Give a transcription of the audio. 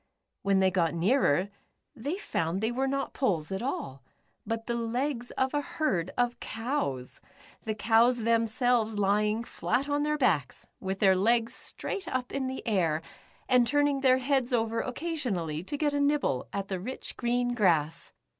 When they got nearer, they found they were not poles at all, but the legs of a herd of cows, the cows themselves lying flat on their backs, with their legs straight up in the air, and turning their heads over occasionally to get a nib ble at the rich, green grass.